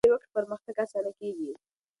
ټولنه که همکاري وکړي، پرمختګ آسانه کیږي.